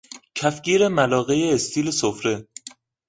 کفگیر ملاقه استیل سفره